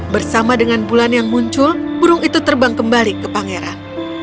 bersama dengan bulan yang muncul burung itu terbang kembali ke pangeran